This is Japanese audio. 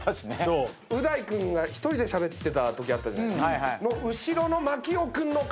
う大君が１人でしゃべってたときあったじゃないですか。